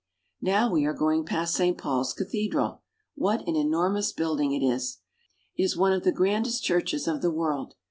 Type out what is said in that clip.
Now we are going past Saint Paul's Cathedral ! What an enormous building it is. It is one of the grandest churches of the world.